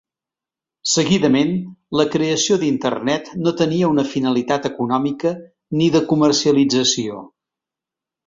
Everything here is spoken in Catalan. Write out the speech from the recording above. Seguidament, la creació d'internet no tenia una finalitat econòmica, ni de comercialització.